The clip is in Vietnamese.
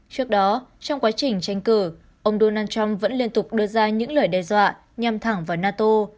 trước đó trong quá trình tranh cử ông donald trump vẫn liên tục đưa ra những lời đe dọa nhằm thẳng vào nato